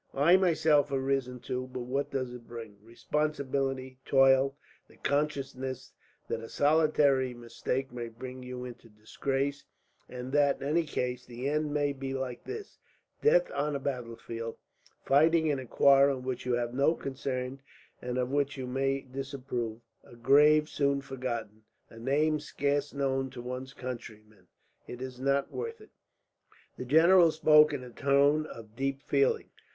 I myself have risen too; but what does it bring? Responsibility, toil, the consciousness that a solitary mistake may bring you into disgrace; and that, in any case, the end may be like this: death on a battlefield, fighting in a quarrel in which you have no concern, and of which you may disapprove; a grave soon forgotten; a name scarce known to one's countrymen. It is not worth it." The general spoke in a tone of deep feeling.